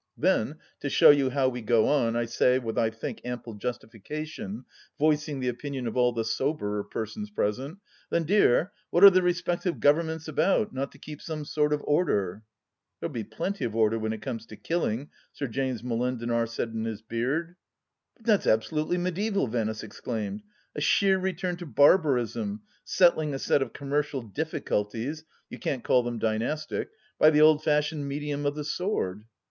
Then — to show you how we go on — I say, with I think ample justification, voicing the opinion of all the soberer persons present :" Then, dear, what are the respective Gtovernments about, not to keep some sort of order ?"" There'll be plenty of order when it comes to killing," Sir James Molendinar said in his beard. " But that's absolutely mediaeval," Venice exclaimed ;" a sheer return to barbarism, settling a set of commercial diffi culties — you can't call them dynastic — ^by the old fashioned medium of the sword